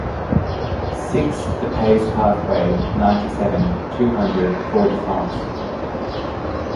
Six, The Pays pathway, ninety-seven, two hundred, Fort-de-France